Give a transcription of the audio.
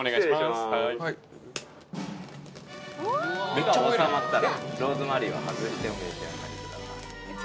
火がおさまったらローズマリーを外してお召し上がりください